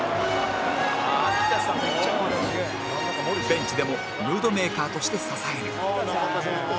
ベンチでもムードメーカーとして支える